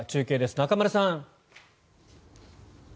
中丸さん。